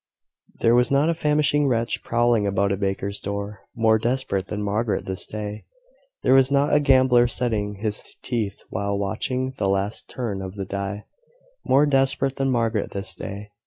There was not a famishing wretch prowling about a baker's door, more desperate than Margaret this day. There was not a gambler setting his teeth while watching the last turn of the die, more desperate than Margaret this day.